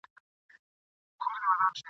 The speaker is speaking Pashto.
د پوهي کچه لوړېدل د یووالي احساس زیاتوي.